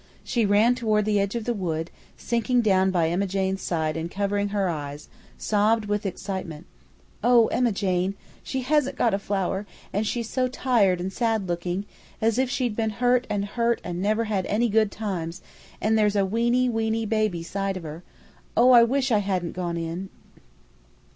She ran toward the edge of the wood, sinking down by Emma Jane's side, and covering her eyes, sobbed with excitement: "Oh, Emma Jane, she hasn't got a flower, and she's so tired and sad looking, as if she'd been hurt and hurt and never had any good times, and there's a weeny, weeny baby side of her. Oh, I wish I hadn't gone in!"